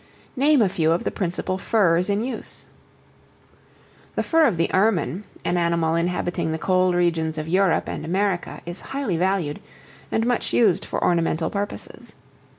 Name a few of the principal furs in use. The fur of the ermine, an animal inhabiting the cold regions of Europe and America, is highly valued, and much used for ornamental purposes.